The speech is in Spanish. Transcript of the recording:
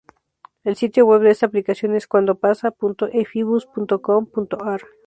El sitio web de esta aplicación es: cuandopasa.efibus.com.ar.